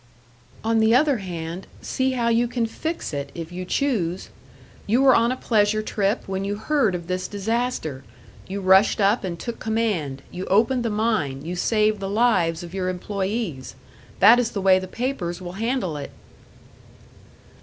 "On the other hand, see how you can fix it, if you choose. You were on a pleasure trip when you heard of this disaster; you rushed up and took command, you opened the mine, you saved the lives of your employés. That is the way the papers will handle it."